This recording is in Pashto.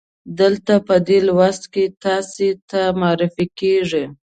دلته په دې لوست کې تاسې ته معرفي کیږي.